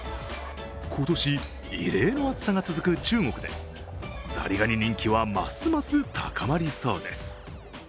今年、異例の暑さが続く中国でザリガニ人気はますます高まりそうです。